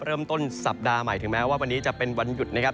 เริ่มต้นสัปดาห์ใหม่ถึงแม้ว่าวันนี้จะเป็นวันหยุดนะครับ